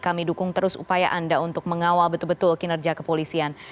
kami dukung terus upaya anda untuk mengawal betul betul kinerja kepolisian